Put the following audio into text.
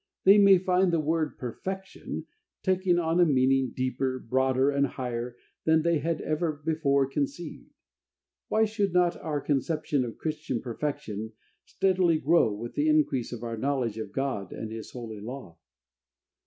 They may find the word "perfection" taking on a meaning deeper, broader and higher than they had ever before conceived. Why should not our conception of Christian perfection steadily grow with the increase of our knowledge of God and of His holy law?